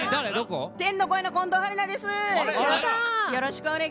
天の声の近藤春菜です。